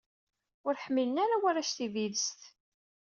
Ur ḥmilen ara warrac tibidest.